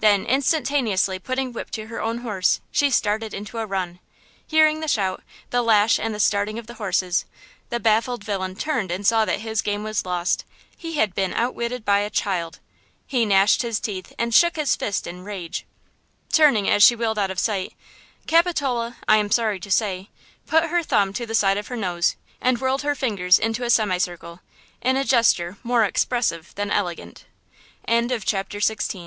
Then, instantaneously putting whip to her own horse, she started into a run. Hearing the shout, the lash and the starting of the horses, the baffled villain turned and saw that his game was lost; he had been outwitted by a child! He gnashed his teeth and shook his fist in rage. Turning as she wheeled out of sight, Capitola–I am sorry to say–put her thumb to the side of her nose and whirled her fingers into a semicircle, in a gesture more expressive than elegant. CHAPTER XVII. ANOTHER STORM AT HURRICANE HALL.